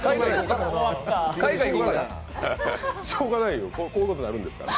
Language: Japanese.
しようがないよ、こういうことになるんですから。